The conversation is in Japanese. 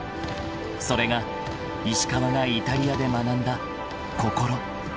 ［それが石川がイタリアで学んだ心］